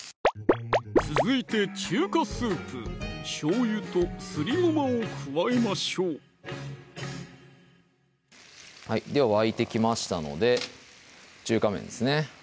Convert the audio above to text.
続いて中華スープ・しょうゆとすりごまを加えましょうでは沸いてきましたので中華麺ですね